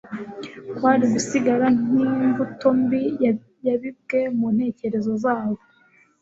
kwari gusigara nk'imbuto mbi yabibwe mu ntekerezo zabo,